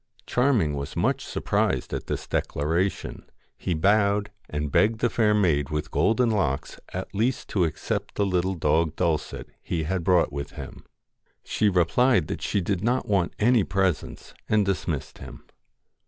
Charming was much surprised at this declaration. He bowed, and begged the fair maid with golden locks at least to accept the little dog Dulcet he had brought with him. She replied that she did not want any presents, and dismissed him.